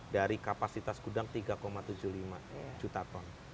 dari kapasitas gudang tiga tujuh puluh lima juta ton